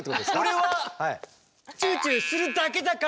俺はチューチューするだけだから。